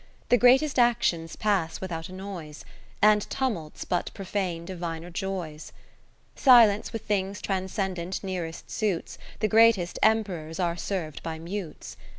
The greatest actions pass without a noise, And tumults but profane diviner joys. Silence wit^ things transcendent nearest suits, The greatest Emperors are serv'd by mutes.